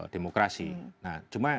demokrasi nah cuma